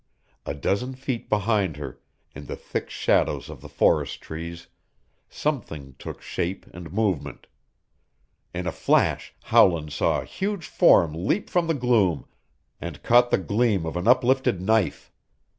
A dozen feet behind her, in the thick shadows of the forest trees, something took shape and movement. In a flash Howland saw a huge form leap from the gloom and caught the gleam of an uplifted knife.